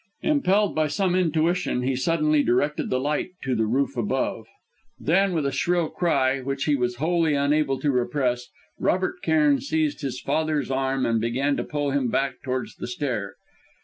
Impelled by some intuition, he suddenly directed the light to the roof above. Then with a shrill cry which he was wholly unable to repress, Robert Cairn seized his father's arm and began to pull him back towards the stair.